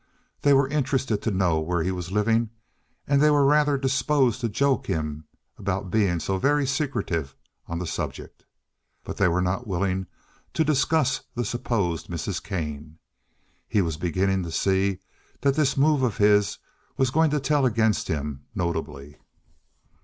They were interested to know where he was living, and they were rather disposed to joke him about being so very secretive on the subject, but they were not willing to discuss the supposed Mrs. Kane. He was beginning to see that this move of his was going to tell against him notably.